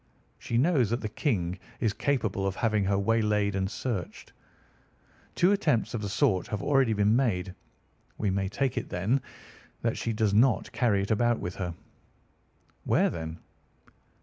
She knows that the King is capable of having her waylaid and searched. Two attempts of the sort have already been made. We may take it, then, that she does not carry it about with her." "Where, then?"